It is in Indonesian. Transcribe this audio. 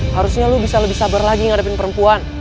harusnya lo bisa lebih sabar lagi ngadepin perempuan